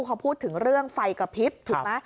เขาพูดถึงเรื่องไฟกระพริบถูกไหม